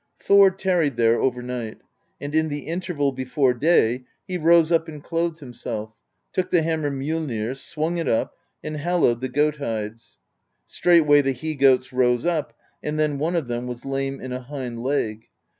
"Thor tarried there overnight; and in the interval be fore day he rose up and clothed himself, took the ham mer Mjollnir, swung it up, and hallowed the goat hides; straightway the he goats rose up, and then one of them was lame in a hind leg.